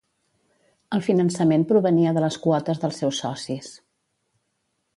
El finançament provenia de les quotes dels seus socis.